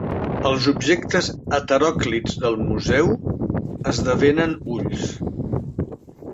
Els objectes heteròclits del museu esdevenen ulls.